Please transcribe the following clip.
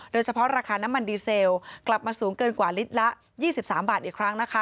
ราคาน้ำมันดีเซลกลับมาสูงเกินกว่าลิตรละ๒๓บาทอีกครั้งนะคะ